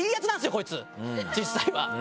こいつ実際は。